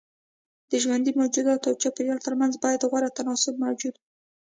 د ژوندي موجود او چاپيريال ترمنځ بايد غوره تناسب موجود وي.